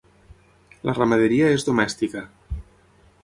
La ramaderia és domèstica.